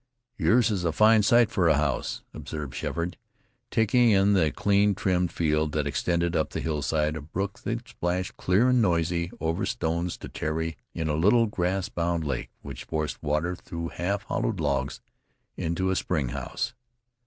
"Yours is a fine site for a house," observed Sheppard, taking in the clean trimmed field that extended up the hillside, a brook that splashed clear and noisy over the stones to tarry in a little grass bound lake which forced water through half hollowed logs into a spring house.